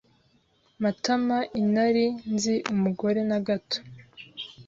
Matamainari nzi umugore na gato.